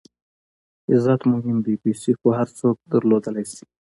عزت مهم دئ، پېسې خو هر څوک درلودلای سي.